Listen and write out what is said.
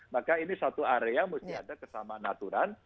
maka ini satu area mesti ada kesamaan aturan